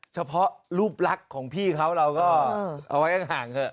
เฉพาะรูปรักของพี่เค้าเราก็เอาไว้ยังห่างเถอะ